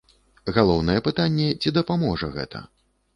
Галоўнае пытанне, ці дапаможа гэта?